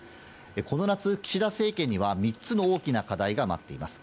この夏、岸田政権には３つの大きな課題がまっています。